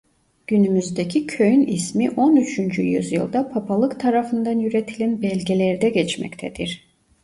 Günümüzdeki köyün ismi on üçüncü yüzyılda Papalık tarafından üretilen belgelerde geçmektedir.